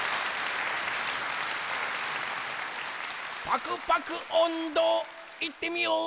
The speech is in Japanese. パクパクおんど、いってみよう！